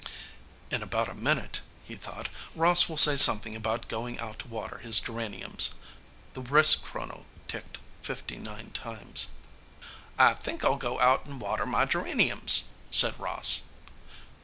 "In about a minute," he thought, "Ross will say something about going out to water his geraniums." The wristchrono ticked fifty nine times. "I think I'll go out and water my geraniums," said Ross.